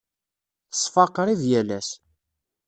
Teṣfa qrib yal ass.